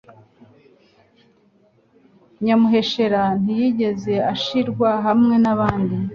Nyamuheshera ntiyigeze ashirwa hamwe n abandi,